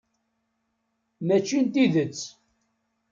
Mačči n tidet.